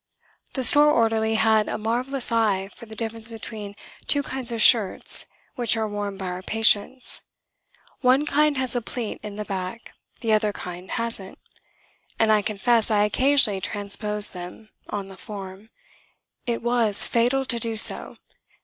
The store orderly had a marvellous eye for the difference between two kinds of shirts which are worn by our patients. One kind has a pleat in the back, the other kind hasn't; and I confess I occasionally transposed them, on the form. It was fatal to do so.